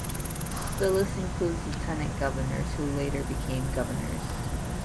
The list includes lieutenant governors who later became governors.